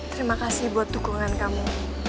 terima kasih buat dukungan kamu